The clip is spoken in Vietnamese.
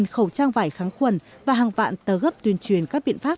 bảy khẩu trang vải kháng khuẩn và hàng vạn tờ gấp tuyên truyền các biện pháp